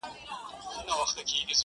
د هغې خوله ؛ شونډي ؛ پېزوان او زنـي؛